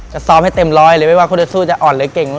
จะซ้อมให้เต็มร้อยเลยไม่ว่าคู่เด้อสู้จะอ่อนหรือเก่ง